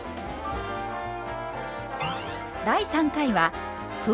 第３回は麩。